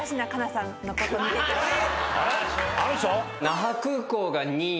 那覇空港が２位。